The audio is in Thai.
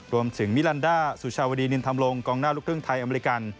มิลันดาสุชาวดีนินธรรมลงกองหน้าลูกครึ่งไทยอเมริกัน